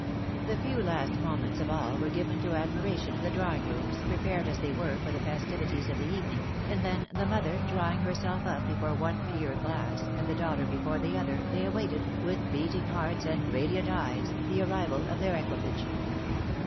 " The few last moments of all were given to admiration of the drawing rooms, prepared as they were for the festivities of the evening, and then the mother, drawing herself up before one pier glass, and the daughter before the other, they awaited, with beating hearts, and radiant eyes, the arrival of their equipage.